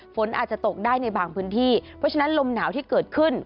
ฝนอาจจะตกได้ในบางพื้นที่เพราะฉะนั้นลมหนาวที่เกิดขึ้น